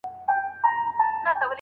هم بادار هم خریدار ته نازنینه